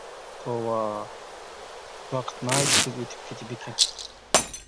توۋا، ۋاقىت ناھايىتى تېز ئۆتۈپ كېتىدىكەن!